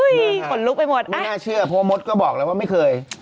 ขนลุกไปหมดไม่น่าเชื่อเพราะว่ามดก็บอกแล้วว่าไม่เคย